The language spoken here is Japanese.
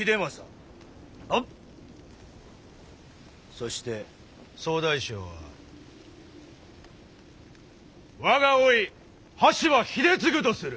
そして総大将は我が甥羽柴秀次とする！